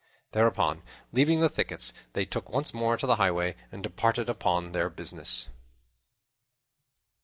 Thereupon, leaving the thickets, they took once more to the highway and departed upon their business.